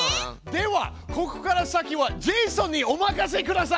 ではここから先はジェイソンにお任せください！